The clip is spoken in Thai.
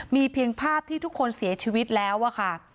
มีเพียงภาพที่ทุกคนเสียชีวิตแล้วอะค่ะ